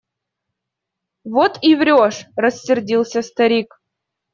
Вот и врешь! – рассердился старик.